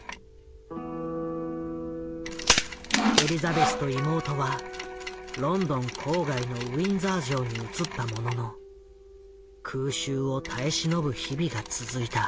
エリザベスと妹はロンドン郊外のウィンザー城に移ったものの空襲を耐え忍ぶ日々が続いた。